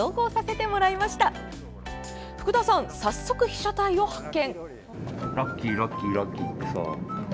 早速、被写体を発見！